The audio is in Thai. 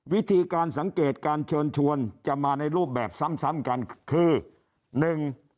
วิธีการสังเกตการเชิญชวนจะมาในรูปแบบซ้ำซ้ำกันคือหนึ่ง